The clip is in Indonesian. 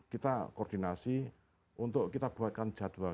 kita koordinasi untuk kita buatkan jadwal